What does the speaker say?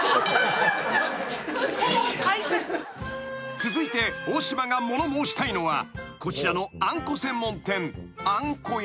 ［続いて大島が物申したいのはこちらのあんこ専門店］